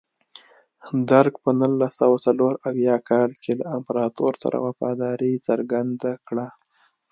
درګ په نولس سوه څلور اویا کال کې له امپراتور سره وفاداري څرګنده کړه.